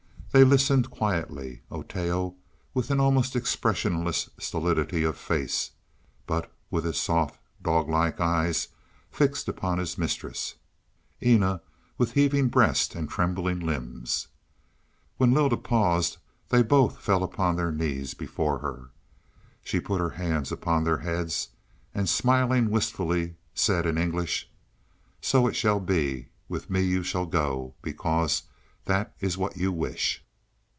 They listened quietly; Oteo with an almost expressionless stolidity of face, but with his soft, dog like eyes fixed upon his mistress; Eena with heaving breast and trembling limbs. When Lylda paused they both fell upon their knees before her. She put her hands upon their heads and smiling wistfully, said in English: "So it shall be; with me you shall go, because that is what you wish."